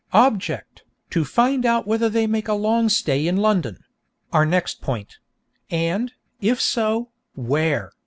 Object, to find out whether they make a long stay in London (our next point), and, if so, where.